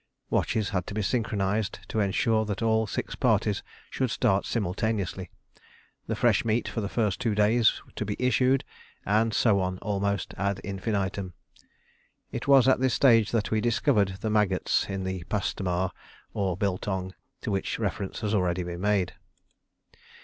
Watches had to be synchronised to ensure that all six parties should start simultaneously; the fresh meat for the first two days to be issued, and so on almost ad infinitum. It was at this stage that we discovered the maggots in the "pastomar" or "biltong," to which reference has already been made.